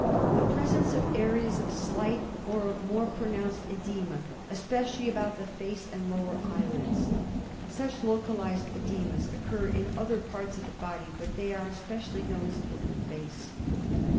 The presence of areas of slight or of more pro nounced oedema, especially about the face and lower eyelids. Such localised oedemas occur in other parts of the body, but they are specially noticeable in the face. 3.